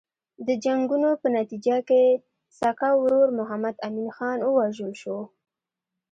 د جنګونو په نتیجه کې سکه ورور محمد امین خان ووژل شو.